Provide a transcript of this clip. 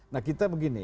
nah kita begini